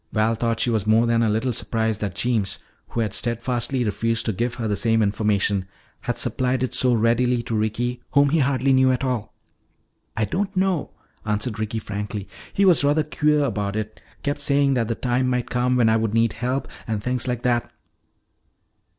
Val thought she was more than a little surprised that Jeems, who had steadfastly refused to give her the same information, had supplied it so readily to Ricky whom he hardly knew at all. "I don't know," answered Ricky frankly. "He was rather queer about it. Kept saying that the time might come when I would need help, and things like that."